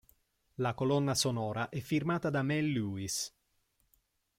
La colonna sonora è firmata da Mel Lewis.